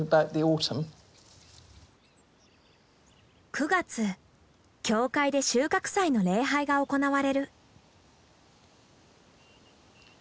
９月教会で収穫祭の礼拝が行われる。